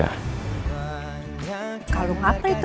banyak kanan voice